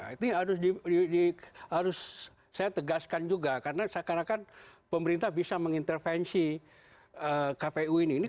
itu harus saya tegaskan juga karena saya kira kan pemerintah bisa mengintervensi kpu ini